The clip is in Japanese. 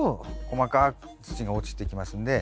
細かい土が落ちていきますんで。